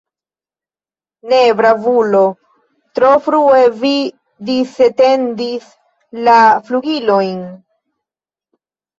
Ne, bravulo, tro frue vi disetendis la flugilojn!